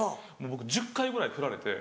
僕１０回ぐらいふられて。